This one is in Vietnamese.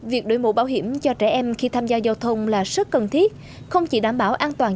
việc đổi mũ bảo hiểm cho trẻ em khi tham gia giao thông là rất cần thiết không chỉ đảm bảo an toàn